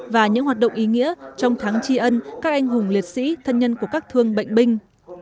và những hoạt động ý nghĩa trong tháng tri ân các anh hùng liệt sĩ thân nhân của các thương bệnh binh